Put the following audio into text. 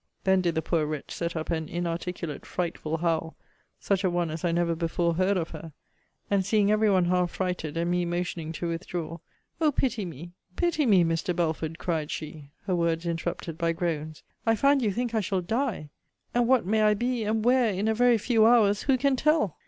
Then did the poor wretch set up an inarticulate frightful howl, such a one as I never before heard of her; and seeing every one half frighted, and me motioning to withdraw, O pity me, pity me, Mr. Belford, cried she, her words interrupted by groans I find you think I shall die! And what may I be, and where, in a very few hours who can tell?